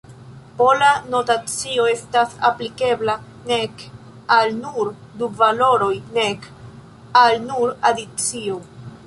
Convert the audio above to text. Pola notacio estas aplikebla nek al nur du valoroj, nek al nur adicio.